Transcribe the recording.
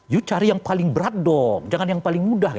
yuk cari yang paling berat dong jangan yang paling mudah